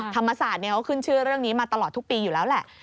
ธรรมศาสตร์เขาขึ้นชื่อเรื่องนี้มาตลอดทุกปีอยู่แล้วแหละ